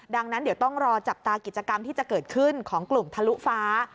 ดังนั้นเดี๋ยวต้องรอจับตากิจกรรมที่จะเกิดขึ้นของกลุ่มทะลุฟ้า